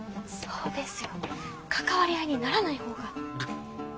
そうですよ関わり合いにならない方が。